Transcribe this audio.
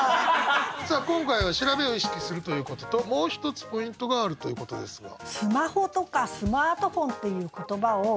さあ今回は調べを意識するということともう一つポイントがあるということですが。